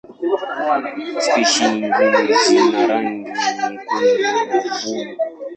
Spishi nyingine zina rangi nyekundu na buluu.